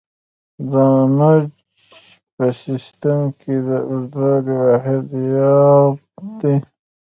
د انچ په سیسټم کې د اوږدوالي واحد یارډ دی.